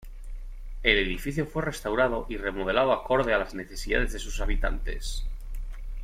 El edificio fue restaurado y remodelado acorde a las necesidades de sus habitantes.